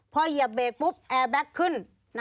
พอเหยียบเบรกปุ๊บแอร์แบ็คขึ้น